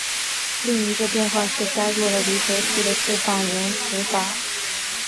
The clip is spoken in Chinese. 另一个变化是加入了离合器的释放延迟阀。